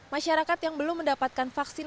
masyarakat yang belum mendapatkan vaksin